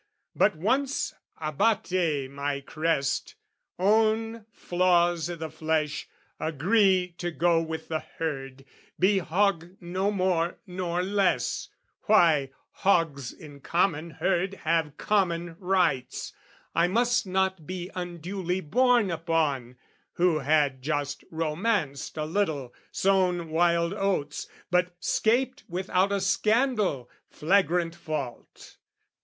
But once Abate my crest, own flaws i' the flesh, agree To go with the herd, be hog no more nor less, Why, hogs in common herd have common rights I must not be unduly borne upon, Who had just romanced a little, sown wild oats, But 'scaped without a scandal, flagrant fault.